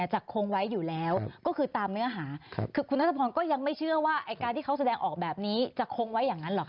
จะคงไว้อยู่แล้วก็คือตามเนื้อหา